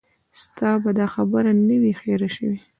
ستا به دا خبره نه وي هېره شوې.